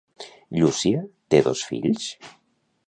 Llúcia té dos fills?